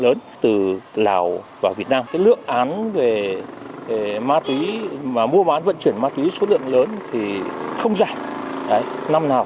lớn từ lào vào việt nam lượng án về mua bán vận chuyển ma túy số lượng lớn thì không dài năm nào